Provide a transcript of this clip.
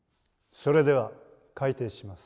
それでは開廷します。